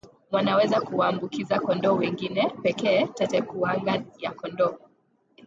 wanaweza kuwaambukiza kondoo wengine pekee tetekuwanga ya kondoo